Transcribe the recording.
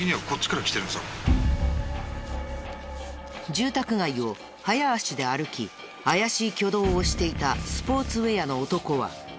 住宅街を早足で歩き怪しい挙動をしていたスポーツウェアの男は。